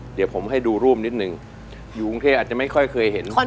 เดี๋ยวผมให้ดูรูปนิดนึงอยู่กรุงเทพอาจจะไม่ค่อยเคยเห็น